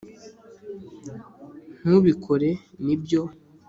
ntubikore, nibyo